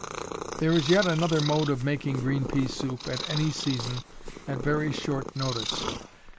There is yet another mode of making green pea soup at any season at very short notice.